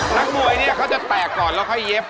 นักมวยเนี่ยเขาจะแตกก่อนแล้วค่อยเย็บ